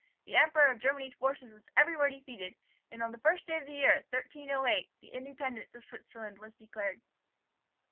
The Emperor of Germany's forces were everywhere defeated; and on the first day of the year, 1308, the independence of Switzerland was declared.